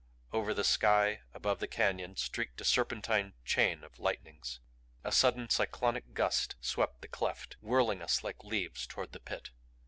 Over the sky above the canyon streaked a serpentine chain of lightnings. A sudden cyclonic gust swept the cleft, whirling us like leaves toward the Pit.